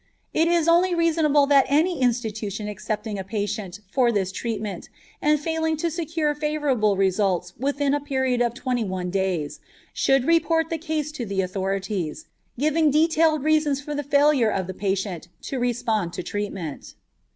It is only reasonable that any institution accepting a patient for this treatment, and failing to secure favorable results within a period of twenty one days, should report the case to the authorities, giving detailed reasons for the failure of the patient to respond to treatment.